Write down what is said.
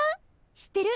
知ってる？